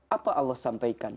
apa allah sampaikan